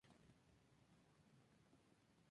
Estos factores y otros -cf.